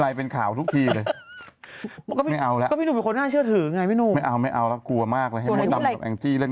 ทีแทรกว่าเอาเพื่อนไปเตะฟุตบอลที่ภาคอีสาน